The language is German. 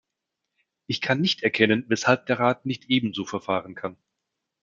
Ich kann nicht erkennen, weshalb der Rat nicht ebenso verfahren kann.